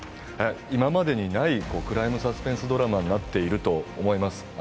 今までにないクライムサスペンスドラマになっていると思います。